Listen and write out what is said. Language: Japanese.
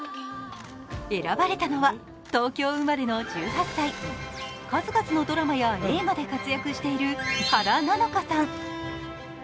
選ばれたのは東京生まれの１８歳数々のドラマや映画で活躍している原菜乃華さん。